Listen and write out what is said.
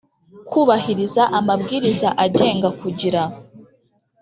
kubahiriza amabwiriza agenga kugira